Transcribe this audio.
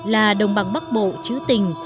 là đồng bằng bắc bộ chữ tình